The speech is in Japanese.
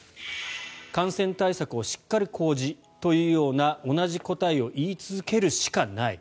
感染対策をしっかり講じというような同じ答えを言い続けるしかない。